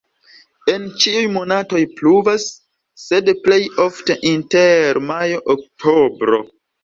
En ĉiuj monatoj pluvas, sed plej ofte inter majo-oktobro.